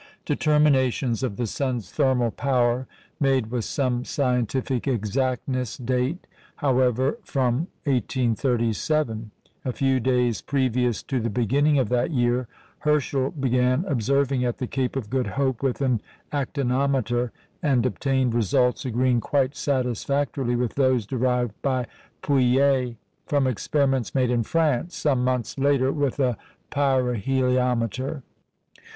Determinations of the sun's thermal power, made with some scientific exactness, date, however, from 1837. A few days previous to the beginning of that year, Herschel began observing at the Cape of Good Hope with an "actinometer," and obtained results agreeing quite satisfactorily with those derived by Pouillet from experiments made in France some months later with a "pyrheliometer."